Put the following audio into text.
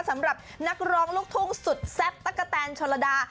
สำหรับนักร้องลูกทุ่งสุดแซ่บตะกะแตนชนระดา